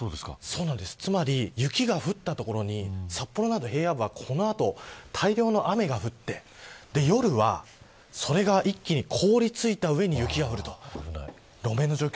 つまり、雪が降った所に札幌など平野部は、この後大量の雨が降って夜は、それが一気に凍りついた上に雪が降ると路面の状況